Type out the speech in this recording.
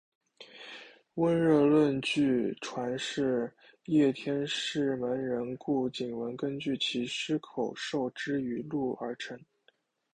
温热论据传是叶天士门人顾景文根据其师口授之语录而成。